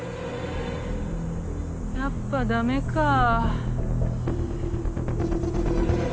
やっぱダメかぁ。